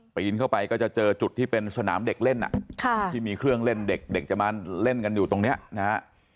ปีนเข้าไปก็จะเจอจุดที่เป็นสนามเด็กเล่นที่มีเครื่องเล่นเด็กเด็กจะมาเล่นกันอยู่ตรงนี้นะฮะ